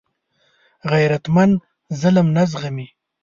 غیرتمند ظلم نه زغمي